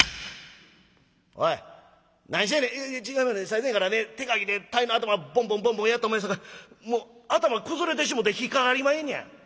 最前からね手がきで鯛の頭ボンボンボンボンやったもんやさかいもう頭崩れてしもて引っ掛かりまへんのや」。